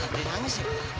ada yang nangis ya